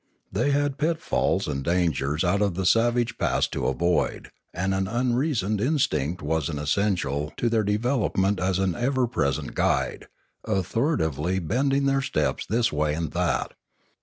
They had pitfalls and dangers out of the savage past to avoid, and an unreasoned instinct was an essential to their development as an ever present guide, authoritatively bending their steps this way and that.